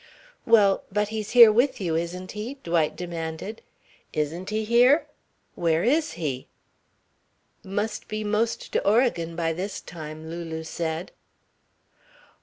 "Well, but he's here with you, isn't he?" Dwight demanded. "Isn't he here? Where is he?" "Must be 'most to Oregon by this time," Lulu said.